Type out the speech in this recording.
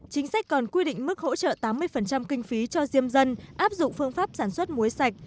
chính sách còn quy định mức hỗ trợ tám mươi kinh phí cho diêm dân áp dụng phương pháp sản xuất muối sạch